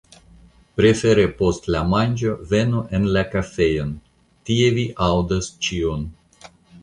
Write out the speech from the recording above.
Prefere post la manĝo venu en la kafejon, tie vi aŭdos ĉion.